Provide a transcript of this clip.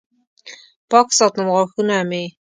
پاک ساتم غاښونه مې